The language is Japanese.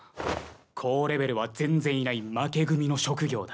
高レベルは全然いない負け組の職業だ。